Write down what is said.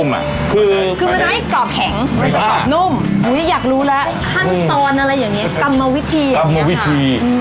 อุ้ยอยากรู้ละขั้นซอนอะไรอย่างเนี้ยกรรมวิธีอย่างเนี้ย